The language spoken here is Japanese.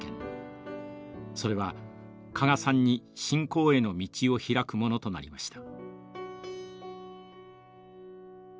それは加賀さんに信仰への道を開くものとなりました。